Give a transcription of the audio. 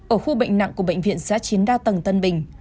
ở khu bệnh nặng của bệnh viện giã chiến đa tầng tân bình